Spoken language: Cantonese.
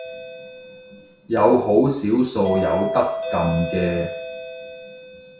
有好少數有得撳嘅